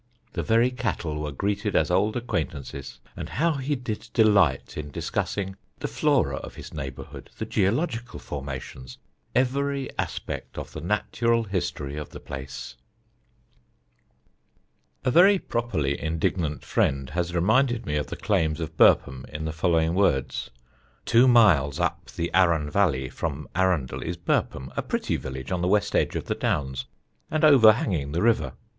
The very cattle were greeted as old acquaintances. And how he did delight in discussing the flora of the neighbourhood, the geological formations, every aspect of the natural history of the place!" [Sidenote: BURPHAM AND HARDHAM] A very properly indignant friend has reminded me of the claims of Burpham in the following words. "Two miles up the Arun valley from Arundel is Burpham, a pretty village on the west edge of the Downs and overhanging the river.